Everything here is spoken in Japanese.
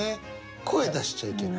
声出しちゃいけない。